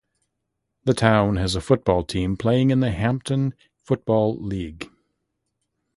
The town has a football team playing in the Hampden Football League.